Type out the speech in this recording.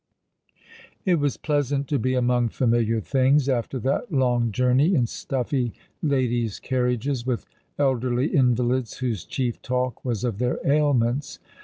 It was pleasant to be among familiar things, after that long journey in stuffy ladies' carriages, with elderly invalids, v/hose chief talk was of their ailments.